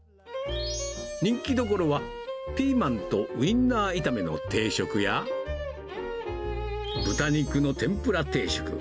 人気どころは、ピーマンとウインナー炒めの定食や、豚肉の天ぷら定食。